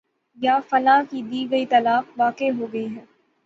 یا فلاں کی دی گئی طلاق واقع ہو گئی ہے